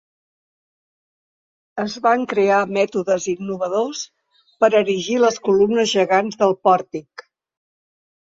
Es van crear mètodes innovadors per erigir les columnes gegants del pòrtic.